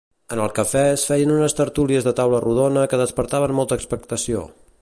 En el cafè es feien unes tertúlies de taula rodona que despertaven molta expectació.